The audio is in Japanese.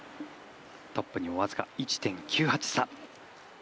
トップにも僅か１．９８差。